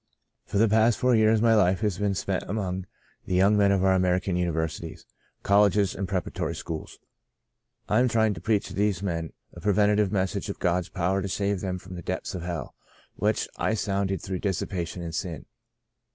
" For the past four years my life has been spent among the young men of our American universities, colleges and preparatory schools. i62 By a Great Deliverance I am trying to preach to these men a prevent ative message of God's power to save them from the depths of hell, which I sounded through dissipation and sin.